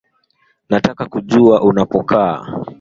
Nataka kujua unapokaa